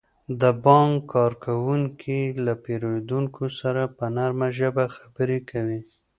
د بانک کارکوونکي له پیرودونکو سره په نرمه ژبه خبرې کوي.